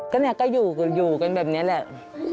ก็เนี่ยก็อยู่กันแบบนี้แหละ